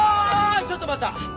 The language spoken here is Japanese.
ちょっと待った！